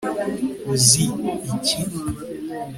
uzi iki